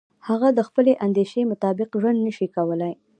هغه د خپلې اندیشې مطابق ژوند نشي کولای.